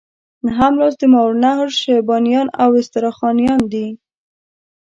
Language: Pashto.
نهم لوست د ماوراء النهر شیبانیان او استرخانیان دي.